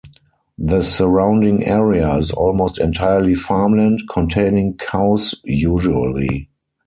The surrounding area is almost entirely farmland, containing cows usually.